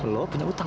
lu punya utang